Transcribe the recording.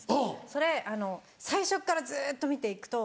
それ最初からずっと見ていくと。